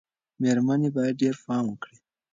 مېرمنې باید ډېر پام وکړي.